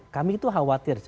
kami itu khawatir